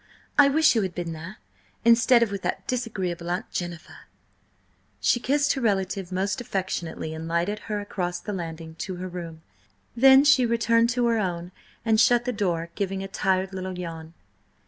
I wish you had been there, instead of with that disagreeable Aunt Jennifer!" She kissed her relative most affectionately and lighted her across the landing to her room. Then she returned to her room and shut the door, giving a tired little yawn.